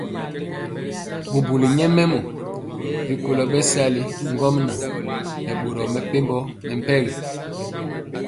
Bubuli nyɛmemɔ rikolo bɛsali ŋgomnaŋ nɛ boro mepempɔ mɛmpegi.